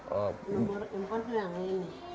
nomor empat itu yang ini